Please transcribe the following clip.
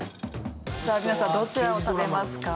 さあ皆さんどちらを食べますか？